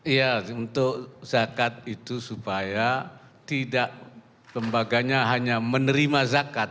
iya untuk zakat itu supaya tidak lembaganya hanya menerima zakat